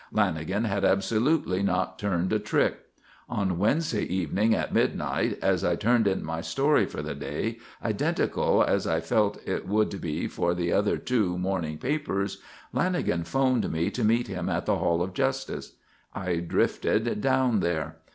Lanagan had absolutely not turned a trick. On Wednesday evening at midnight, as I turned in my story for the day, identical as I felt it would be with the other two morning papers, Lanagan 'phoned me to meet him at the Hall of Justice. I drifted down there.